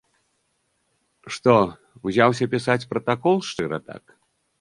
Што ўзяўся пісаць пратакол шчыра так?